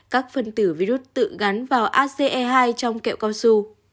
các phần tử virus tự gắn vào ace hai trong kẹo cao su